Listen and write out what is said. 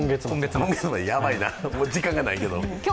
ヤバいな、もう時間がないけど。